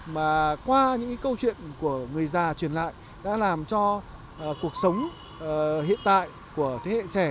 mà qua những câu chuyện của người già truyền lại đã làm cho cuộc sống hiện tại của thế hệ trẻ